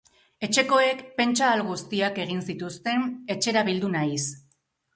Etxekoek pentsa ahal guztiak egin zituzten etxera bildu nahiz.